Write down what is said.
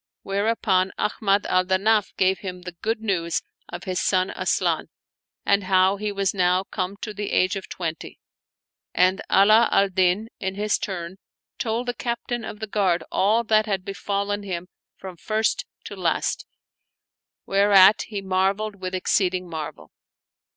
Where upon Ahmad al Danaf gave him the good news of his son Asian and how he was now come to the age of twenty: and Ala al Din, in his turn, told the Captain of the Guard all that had befallen him from first to last, whereat he marveled with exceeding marvel.